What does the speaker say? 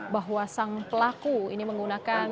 kagwas ng pelaku ini menggunakan